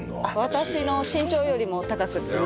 私の身長よりも高く。